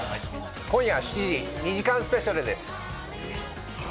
今夜７時、２時間スペシャルです。